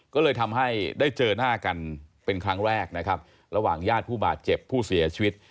ก็เลยทำให้ได้เจอหน้ากันเป็นครั้งแรกนะครับระหว่างญาติผู้บาดเจ็บผู้เสียชีวิต